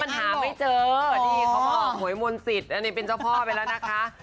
มันหาไม่เจอนี่เขาบอกหวยมนต์สิทธิ์อันนี้เป็นเจ้าพ่อไปแล้วนะคะ